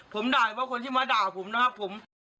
ผมด่าว่าคนที่มาด่าผมนะครับผม